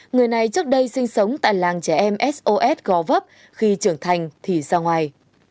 người này trước đây sinh sống tại làng trẻ em sos gò vấp khi trưởng thành thì ra ngoài